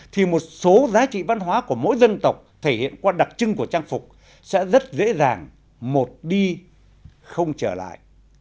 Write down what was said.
thì một số giá trị văn hóa của mỗi dân tộc thể hiện qua đặc trưng của trang phục sẽ rất dễ dàng một đi không trở lại